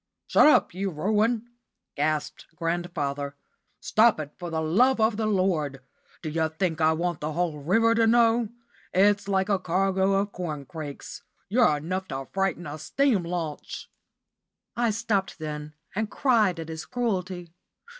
"Shut up, you ruin!" gasped grandfather. "Stop it, for the love of the Lord. D' you think I want the whole river to know? It's like a cargo of corncrakes. You're enough to frighten a steam launch!" I stopped then and cried at his cruelty.